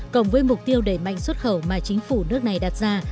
cộng với mục tiêu đẩy mạnh xuất khẩu mà chính phủ nước này đặt ra